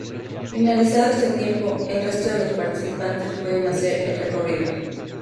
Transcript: Finalizado este tiempo, el resto de los participantes pueden hacer el recorrido.